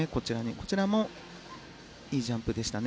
こちらもいいジャンプでしたね。